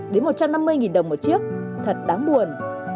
đến một trăm năm mươi đồng một chiếc thật đáng buồn